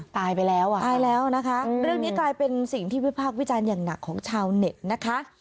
ตายไปแล้วอ่ะตายแล้วนะคะเรื่องนี้กลายเป็นสิ่งที่วิพากษ์วิจารณ์อย่างหนักของชาวเน็ตนะคะ